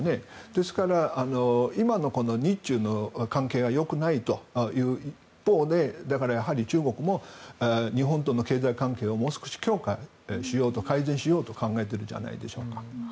ですから、今の日中の関係がよくないという一方でだから中国も日本との経済関係をもう少し強化しようと改善しようと考えているんじゃないでしょうか。